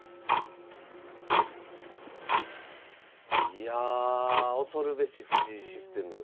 いやあ恐るべし藤井システム。